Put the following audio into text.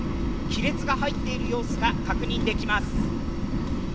亀裂が入っている様子が確認できます。